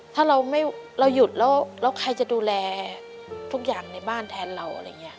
ถ้าเราหยุดแล้วใครจะดูแลทุกอย่างในบ้านแทนเรา